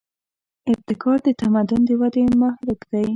ابتکار د تمدن د ودې محرک دی.